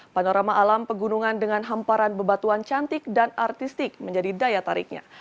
panorama alam pegunungan dengan hamparan bebatuan cantik dan artistik menjadi daya tariknya